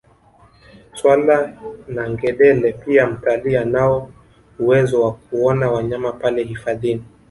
Swala na ngedele pia mtalii anao uwezo wa kuona wanyama pale hifadhini